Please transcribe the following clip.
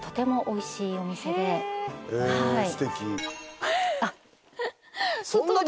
えすてき。